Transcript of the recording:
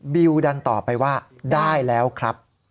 วิวดันตอบไปว่าได้แล้วครับ